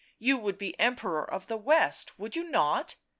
" You would be Emperor of the West, would you not